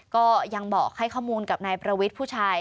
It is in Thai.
ก็ยังบอกให้ข้อมูลกับนายประวิทย์ผู้ชาย